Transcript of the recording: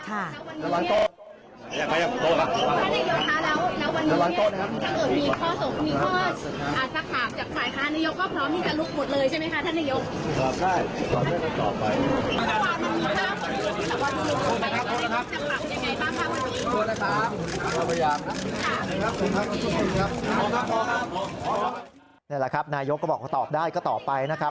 นี่แหละครับนายกก็บอกว่าตอบได้ก็ตอบไปนะครับ